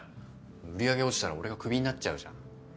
売り上げ落ちたら俺がクビになっちゃうじゃん。